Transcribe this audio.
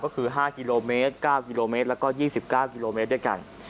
ก็คือ๕กิโลเมตร๙กิโลเมตรแล้วก็๒๙กิโลเมตรด้วยกัน